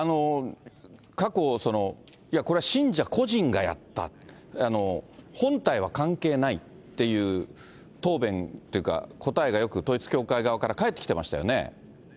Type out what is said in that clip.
過去、これは信者個人がやった、本体は関係ないっていう答弁というか、答えがよく統一教会側から返ってきてましたよね。